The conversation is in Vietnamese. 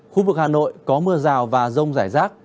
khu vực hà nội có mưa rào và rông rải rác